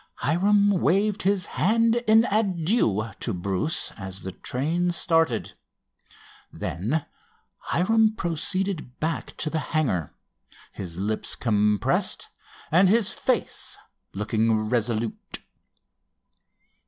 Hiram waved his hand in adieu to Bruce as the train started. Then Hiram proceeded back to the hangar, his lips compressed and his face looking resolute.